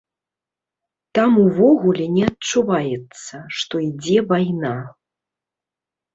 Там увогуле не адчуваецца, што ідзе вайна.